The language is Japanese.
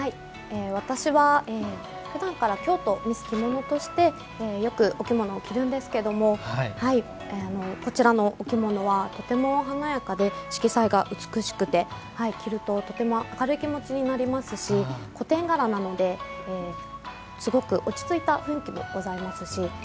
私はふだんから京都・ミスきものとしてよくお着物を着るんですけどもこちらのお着物はとても華やかで色彩が美しくて着るととても明るい気持ちになりますし古典柄なのですごく落ち着いた雰囲気もございますし。